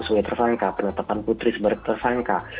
sungai tersangka penetapan putri sebarang tersangka